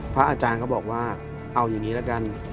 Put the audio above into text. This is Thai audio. พระอาจารย์เขาบอกว่าเอาอย่างนี้ละกัน